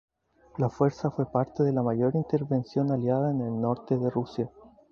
La fuerza fue parte de la mayor intervención aliada en el norte de Rusia.